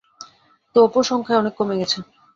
তোপও সংখ্যায় অনেক কমে গেছে।